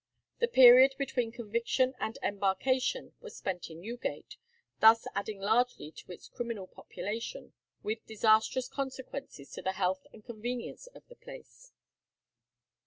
The period between conviction and embarkation was spent in Newgate, thus adding largely to its criminal population, with disastrous consequences to the health and convenience of the place.